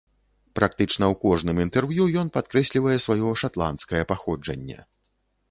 Практычна ў кожным інтэрв'ю ён падкрэслівае сваё шатландскае паходжанне.